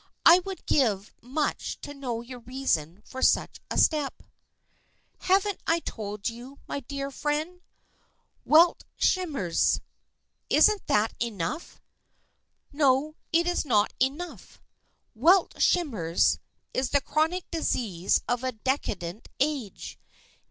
I would give much to know your reason for such a step." "Haven't I told you, my dear friend? Welt Schmerz. Isn't that enough?" "No, it is not enough. Welt Schmerz is the chronic disease of a decadent age.